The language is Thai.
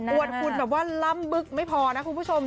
วดหุ่นแบบว่าล้ำบึ๊กไม่พอนะคุณผู้ชม